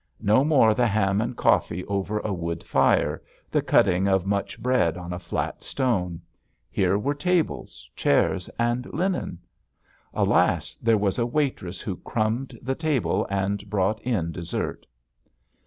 No more the ham and coffee over a wood fire, the cutting of much bread on a flat stone. Here were tables, chairs, and linen. Alas, there was a waitress who crumbed the table and brought in dessert.